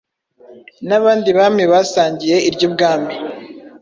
nabandi bami basangiye iry'ubwami.